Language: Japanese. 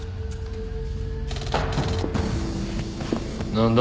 何だ？